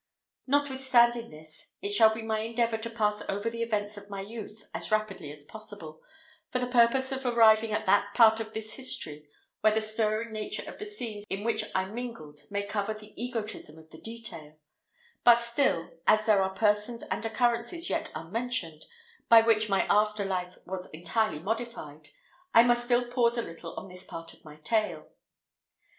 Notwithstanding this, it shall be my endeavour to pass over the events of my youth as rapidly as possible, for the purpose of arriving at that part of this history where the stirring nature of the scenes in which I mingled may cover the egotism of the detail; but still, as there are persons and occurrences yet unmentioned, by which my after life was entirely modified, I must still pause a little on this part of my tale.